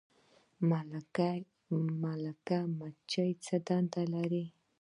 ملکه مچۍ څه دنده لري؟